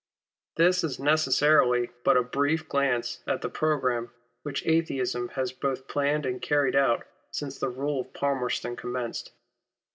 This is necessarily but a brief glance at the programme, which Atheism has both planned and carried out since the rule of Palmerston commenced.